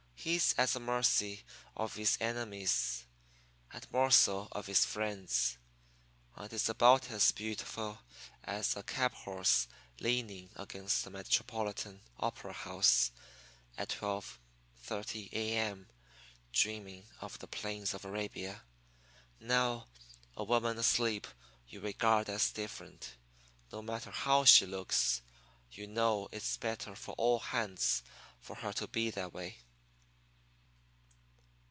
He's at the mercy of his enemies, and more so of his friends. And he's about as beautiful as a cab horse leaning against the Metropolitan Opera House at 12.30 A.M. dreaming of the plains of Arabia. Now, a woman asleep you regard as different. No matter how she looks, you know it's better for all hands for her to be that way.